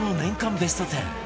ベスト１０